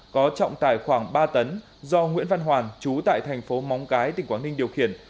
có trọng tài khoảng ba tấn do nguyễn văn hoàn chú tại thành phố móng cái tỉnh quảng ninh điều khiển